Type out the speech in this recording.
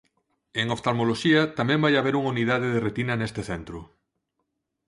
En oftalmoloxía tamén vai haber unha unidade de retina neste centro.